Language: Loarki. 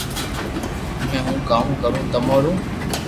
ھمي ھون ڪاو ڪرو تمو رو